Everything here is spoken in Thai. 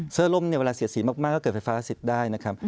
ร่มเนี่ยเวลาเสียสีมากก็เกิดไฟฟ้าสิทธิ์ได้นะครับ